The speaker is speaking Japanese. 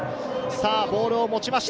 ボールを持ちました